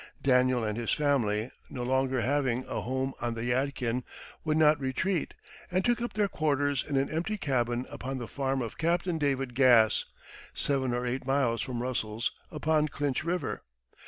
Daniel and his family, no longer having a home on the Yadkin, would not retreat, and took up their quarters in an empty cabin upon the farm of Captain David Gass, seven or eight miles from Russell's, upon Clinch River.